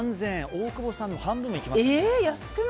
大久保さんの半分もいきません。